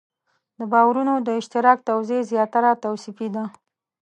د باورونو د اشتراک توضیح زیاتره توصیفي ده.